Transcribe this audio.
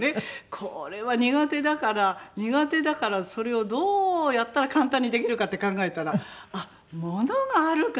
これは苦手だから苦手だからそれをどうやったら簡単にできるかって考えたらあっ物があるからだ。